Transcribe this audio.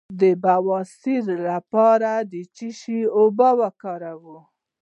د بواسیر لپاره د څه شي اوبه وکاروم؟